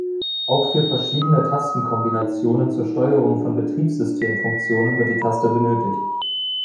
Auch für verschiedene Tastenkombinationen zur Steuerung von Betriebssystem-Funktionen wird die Taste benötigt.